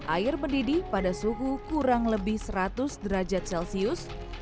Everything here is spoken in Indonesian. air mendidih pada suhu kurang lebih seratus derajat celcius